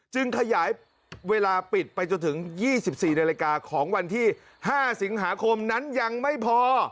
ขยายเวลาปิดไปจนถึง๒๔นาฬิกาของวันที่๕สิงหาคมนั้นยังไม่พอ